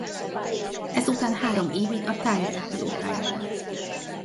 Ezután három évig a Tyrrell pilótája volt.